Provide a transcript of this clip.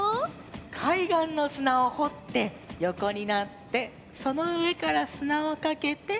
かいがんのすなをほってよこになってそのうえからすなをかけてあたたまる。